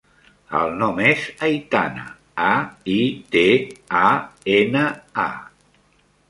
El nom és Aitana: a, i, te, a, ena, a.